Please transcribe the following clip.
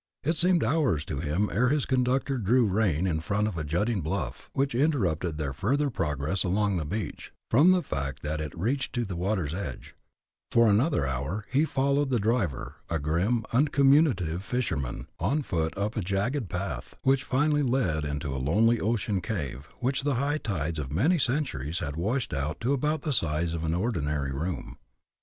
It seemed hours to him ere his conductor drew rein in front of a jutting bluff which interrupted their further progress along the beach, from the fact that it reached to the water's edge; for another hour he followed the driver, a grim, uncommunicative fisherman, on foot up a jagged path, which finally led into a lonely ocean cave which the high tides of many centuries had washed out to about the size of an ordinary room.